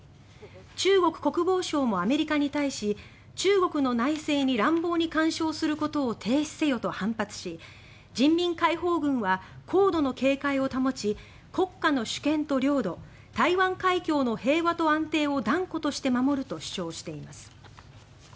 中国国防省も、アメリカに対し中国の内政に乱暴に干渉することを停止せよと反発し人民解放軍は高度の警戒を保ち国家の主権と領土台湾海峡の平和と安定を断固として守ると主張しています。